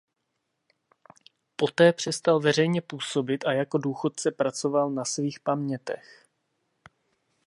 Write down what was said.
Poté přestal veřejně působit a jako důchodce pracoval na svých pamětech.